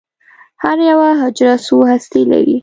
هره یوه حجره څو هستې لري.